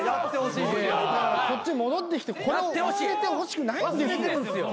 こっちに戻ってきてこれを忘れてほしくないんですよ。